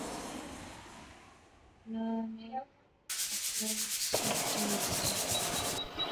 اۃناں نے ہتھا اچ سوٹی اسی